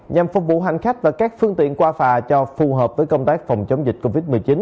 nhằm phục vụ hành khách và các phương tiện qua phà cho phù hợp với công tác phòng chống dịch covid một mươi chín